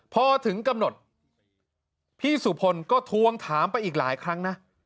พอถึงกำหนดพี่สุพลก็ทวงถามไปอีกหลายครั้งนะ